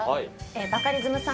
バカリズムさん